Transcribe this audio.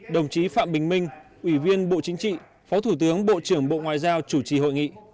đồng chí phạm bình minh ủy viên bộ chính trị phó thủ tướng bộ trưởng bộ ngoại giao chủ trì hội nghị